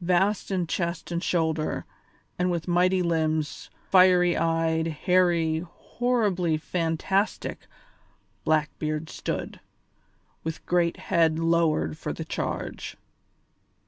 Vast in chest and shoulder, and with mighty limbs, fiery eyed, hairy, horribly fantastic, Blackbeard stood, with great head lowered for the charge.